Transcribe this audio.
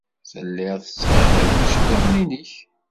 Tellid tettxiḍid iceḍḍiḍen-nnek.